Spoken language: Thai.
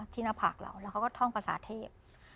หน้าผากเราแล้วเขาก็ท่องภาษาเทพ